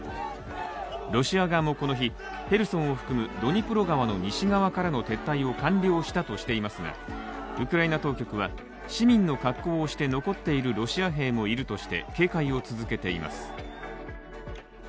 ロシア側もこの日、ヘルソンを含むドニプロ川の西側からの撤退を完了したとしていますが、ウクライナ当局は、市民の格好をして残っているロシア兵もいるとして警戒を続けています。